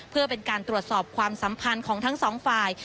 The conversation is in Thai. เพื่อเป็นการตรวจสอบความสัมพันธ์ของทั้งสองฝ่าย